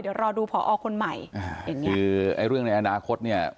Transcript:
เดี๋ยวรอดูผอคนใหม่อย่างนี้คือไอ้เรื่องในอนาคตเนี่ย